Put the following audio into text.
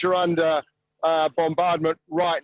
yang sedang diperlukan perang sekarang